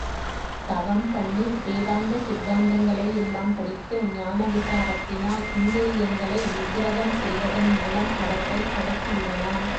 தவம் பண்ணி, வேதாந்த சித்தாந்தங்களை எல்லாம் படித்து, ஞான விசாரத்தினால் இந்திரியங்களை நிக்கிரகம் செய்வதன் மூலம் அவற்றை அடக்கிவிடலாம்.